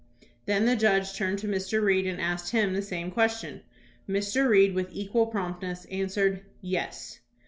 Then the judge turned to Mr. Reed and asked him the same question, Mr. Reed with equal prompt ness answered, "Yes."